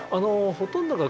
ほとんどが